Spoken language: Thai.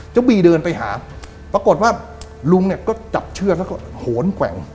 บีเดินไปหาปรากฏว่าลุงเนี่ยก็จับเชือกแล้วก็โหนแกว่ง